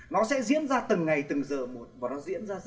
nó sẽ diễn ra từng ngày từng giờ một và nó diễn ra rất là nhanh